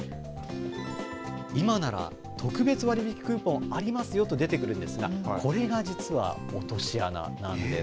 今なら特別割引クーポンありますよと出てくるんですがこれが実は落とし穴なんです。